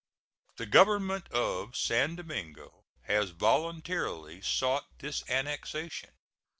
The Government of San Domingo has voluntarily sought this annexation.